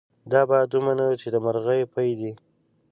دا باید ومنو چې د مرغۍ پۍ ده.